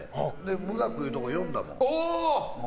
無学いうところ呼んだもん。